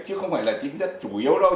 chứ không phải là tính chất chủ yếu đâu